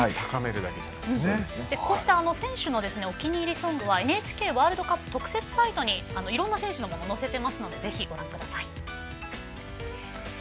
こうした選手のお気に入りソングはＮＨＫワールドカップ特設サイトにいろんな選手のものを載せているのでぜひご覧ください。